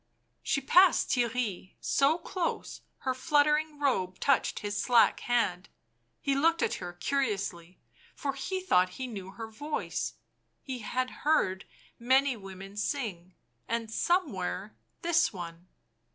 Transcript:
She passed Theirry, so close, her fluttering robe touched his slack hand ; he looked at her curiously, for he thought he knew her voice ; he had heard many women sing, and, somewhere, this one.